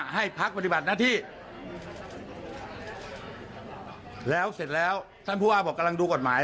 ให้พักปฏิบัติหน้าที่แล้วเสร็จแล้วท่านผู้ว่าบอกกำลังดูกฎหมาย